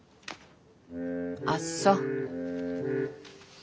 あっそ。